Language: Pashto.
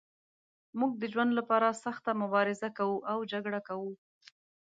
موږ د ژوند لپاره سخته مبارزه کوو او جګړه کوو.